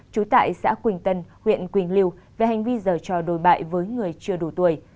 trú tại xã quỳnh tân huyện quỳnh liêu về hành vi dở trò đối bại với người chưa đủ tuổi